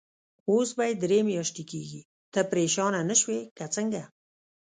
اوس به یې درې میاشتې کېږي، ته پرېشانه نه شوې که څنګه؟